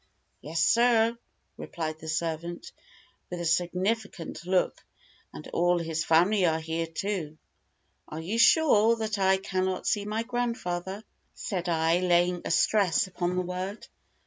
"Yes, sir," replied the servant, with a significant look, "and all his family are here too." "Are you sure that I cannot see my grandfather," said I, laying a stress upon the word.